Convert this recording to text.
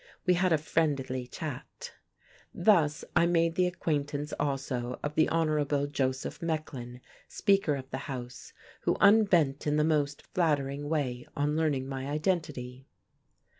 We had a "friendly chat." Thus I made the acquaintance also of the Hon. Joseph Mecklin, Speaker of the House, who unbent in the most flattering way on learning my identity.